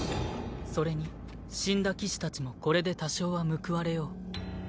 それに死んだ騎士たちもこれで多少は報われよう。